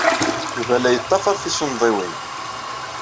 Yuba la yettḍafar tisunḍiwin.